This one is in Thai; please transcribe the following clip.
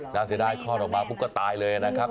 น่าเสียดายคลอดออกมาปุ๊บก็ตายเลยนะครับ